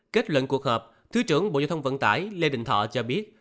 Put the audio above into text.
kết luận cuộc họp thứ trưởng bộ giao thông vận tải lê đình thọ cho biết